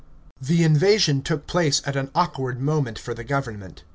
§ 11. The invasion took place at an awkward ni< m< nt for the government.